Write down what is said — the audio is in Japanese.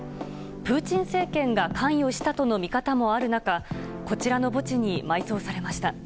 プーチン政権が関与したとの見方もある中こちらの墓地に埋葬されました。